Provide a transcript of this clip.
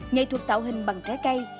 nghệ thuật tạo hình bằng trái cây